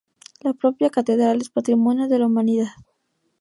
La propia catedral es Patrimonio de la Humanidad.